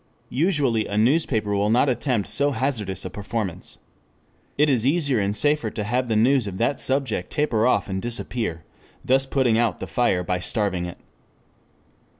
Usually a newspaper will not attempt so hazardous a performance. It is easier and safer to have the news of that subject taper off and disappear, thus putting out the fire by starving it.